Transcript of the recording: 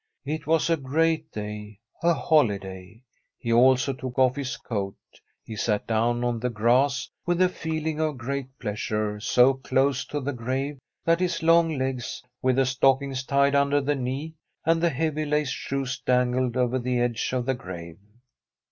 It was a great day — ^a holiday. He also took off his coat. He sat down on the grass with a feeling of great pleasure, so close to the grave that his long legs, with the stockings tied under the knee, and the heavy laced shoes dangled over the edge of the grave.